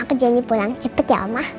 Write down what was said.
aku janji pulang cepet ya oma